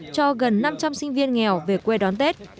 cho gần năm trăm linh sinh viên nghèo về quê đón tết